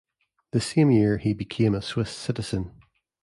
The same year he became a Swiss citizen.